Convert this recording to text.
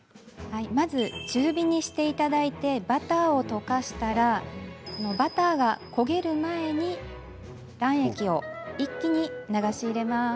まず、中火にしてバターを溶かしたらバターが焦げる前に卵液を一気に流し入れます。